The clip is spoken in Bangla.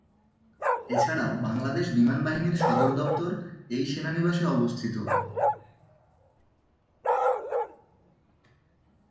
এছাড়াও বাংলাদেশ বিমান বাহিনীর সদর দপ্তর এই সেনানিবাসে অবস্থিত।